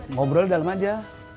ngobrol dalam aja